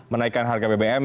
menaikan harga bbm